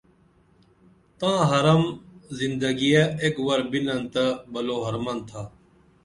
تاں حرم زندگِیہ ایک ور بِنن تہ بلوحرمن تھا